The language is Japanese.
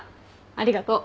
ありがとう。